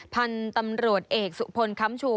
พันธุ์ตำรวจเอกสุพลค้ำชู